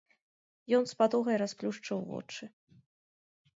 Ён з патугай расплюшчыў вочы.